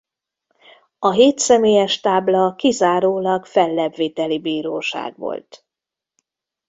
A hétszemélyes tábla kizárólag fellebbviteli bíróság volt.